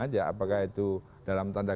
aja apakah itu dalam tanda